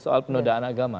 soal penodaan agama